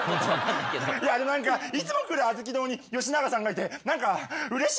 いや何かいつも来るアズキドウにヨシナガさんがいて何かうれしいな。